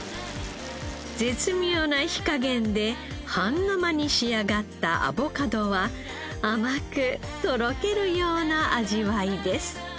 絶妙な火加減で半生に仕上がったアボカドは甘くとろけるような味わいです。